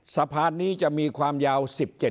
สะพานนี้จะมีความยาว๑๗กิโลเมตร